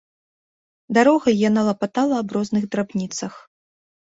Дарогай яна лапатала аб розных драбніцах.